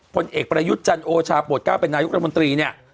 ผลเอกประยุทธ์จันโอชาปวด๙เป็นนายกรัฐมนตรีเนี่ย